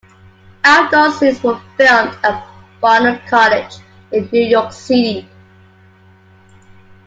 Outdoor scenes were filmed at Barnard College in New York City.